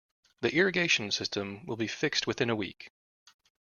The irrigation system will be fixed within a week.